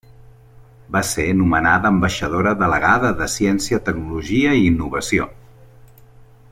Va ser nomenada ambaixadora delegada de Ciència, Tecnologia i Innovació.